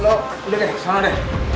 lo udah deh sana deh